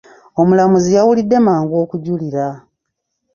Omulamuzi yawulidde mangu okujulira.